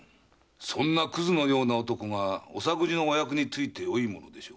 そんなクズのような男が御作事のお役に就いてよいのでしょうか？